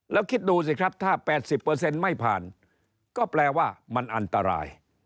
แล้วคิดดูสิครับถ้า๘๐ไม่ผ่านก็แปลว่ามันอันตราย